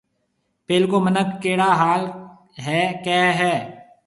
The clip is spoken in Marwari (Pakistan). پيلڪو مِنک ڪهيَڙا حال هيَ ڪهيَ هيَ۔